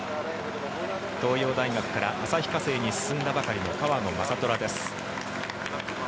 東洋大学から旭化成に進んだばかりの川野将虎です。